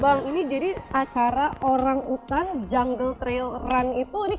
bang ini jadi acara orang utan jungle trail run itu ini kayaknya udah tahun kedua ya